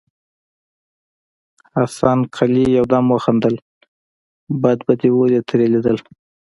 حسن قلي يودم وخندل: بد به دې ولې ترې ليدل.